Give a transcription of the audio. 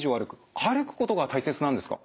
歩くことが大切なんですか？